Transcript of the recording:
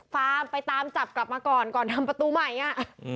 ฟาร์มไปตามจับกลับมาก่อนก่อนทำประตูใหม่อ่ะ